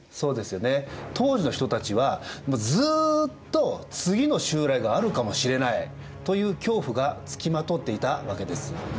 当時の人たちはずっと次の襲来があるかもしれないという恐怖がつきまとっていたわけです。